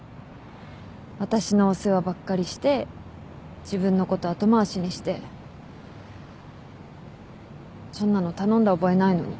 私のお世話ばっかりして自分のこと後回しにしてそんなの頼んだ覚えないのに。